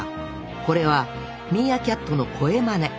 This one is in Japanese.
これはミーアキャットの声まね。